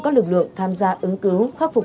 các lực lượng tham gia ứng cứu khắc phục